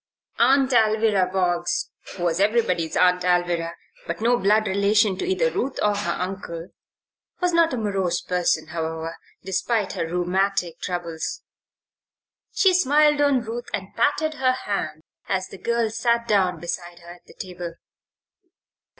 Aunt Alvirah Boggs (who was everybody's Aunt Alvirah, but no blood relation to either Ruth or her uncle) was not a morose person, however, despite her rheumatic troubles. She smiled on Ruth and patted her hand as the girl sat down beside her at the table.